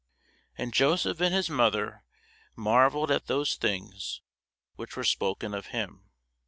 And Joseph and his mother marvelled at those things which were spoken of him.